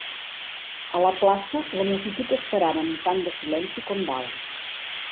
A la plaça, la multitud esperava amb tant de silenci com dalt.